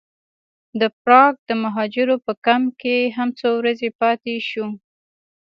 د پراګ د مهاجرو په کمپ کې هم څو ورځې پاتې شوو.